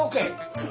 うん。